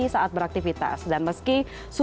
saat berhenti dan juga untuk menangkal virus